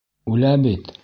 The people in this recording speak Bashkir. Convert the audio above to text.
Үлә бит!